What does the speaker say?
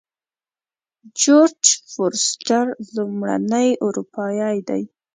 جورج فورسټر لومړنی اروپایی دی.